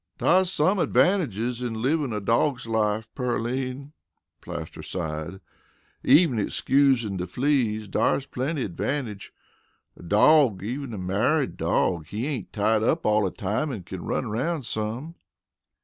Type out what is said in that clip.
"Dar's some advantages in livin' a dawg's life, Pearline," Plaster sighed. "Even excusin' de fleas, dar's plenty advantage. A dawg, even a married dawg, he ain't tied up all de time an' kin run aroun' some."